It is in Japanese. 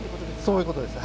そういうことです。